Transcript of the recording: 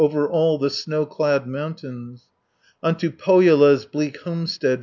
Over all the snow clad mountains, 360 Unto Pohjola's bleak homestead.